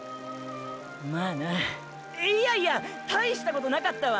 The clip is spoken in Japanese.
まぁないやいや大したことなかったわ。